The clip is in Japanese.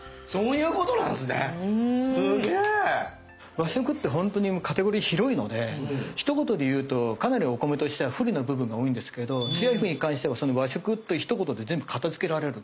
和食ってほんとにカテゴリー広いのでひと言で言うとかなりお米としては不利な部分が多いんですけどつや姫に関してはその和食というひと言で全部片づけられる。